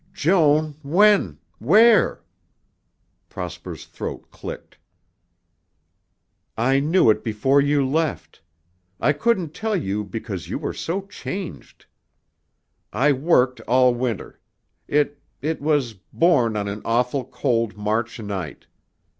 "Joan when? where?" Prosper's throat clicked. "I knew it before you left. I couldn't tell you because you were so changed. I worked all winter. It it was born on an awful cold March night.